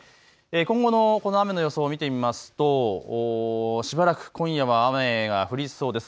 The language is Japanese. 今後のこの雨の予想を見てみますとしばらく今夜は雨が降りそうです。